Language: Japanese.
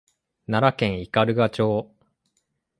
奈良県斑鳩町